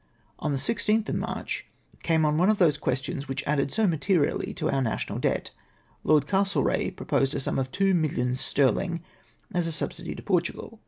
On the 16 th of March came on one of those questions which added so materially to our national debt. Lord Castlereagh proposed a sum of two millions sterling as a subsidy to Portugal.